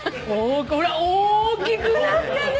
大きくなったね！